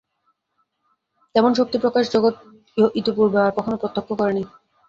তেমন শক্তি-প্রকাশ জগৎ ইতঃপূর্বে আর কখনও প্রত্যক্ষ করেনি।